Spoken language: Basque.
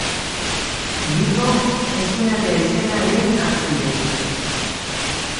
Bilbo eskuinaldea izena ere hartzen du.